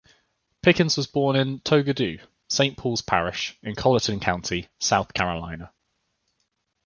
Pickens was born in Togadoo, Saint Paul's Parish, in Colleton County, South Carolina.